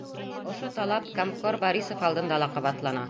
Ошо талап комкор Борисов алдында ла ҡабатлана.